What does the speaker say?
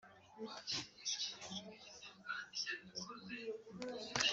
Zirikana yuko iyisi yameze amenyo bityo witwararike